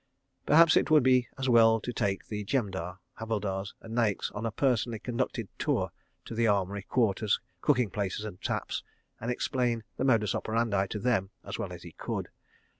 Perhaps it would be as well to take the Jemadar, Havildars and Naiks on a personally conducted tour to the armoury, quarters, cooking places and taps, and explain the modus operandi to them as well as he could.